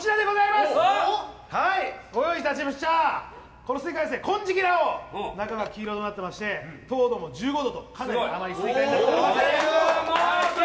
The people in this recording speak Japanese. このスイカですね、金色の、中が黄色になってまして、糖度も１５度と、かなり甘いスイカになっています。